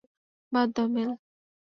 বাদ দাও, মেল।